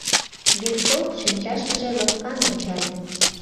— Венцов шинчашкыже ласкан ончале.